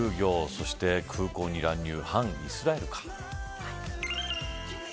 そして空港に乱入反イスラエルか。